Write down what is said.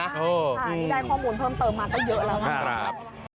นี่ได้ข้อมูลเพิ่มเติมมาก็เยอะแล้วนะครับ